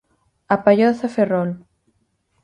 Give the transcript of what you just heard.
A Palloza Ferrol.